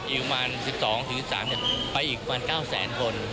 อีกประมาณ๑๒๑๓ไปอีกประมาณ๙แสนคน